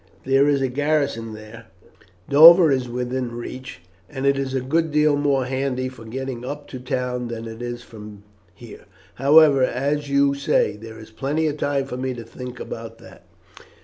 There is a garrison there, Dover is within reach, and it is a good deal more handy for getting up to town than it is from here. However, as you say, there is plenty of time for me to think about that."